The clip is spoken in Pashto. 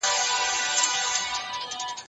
ایا ته له مرګه نه وېریږې؟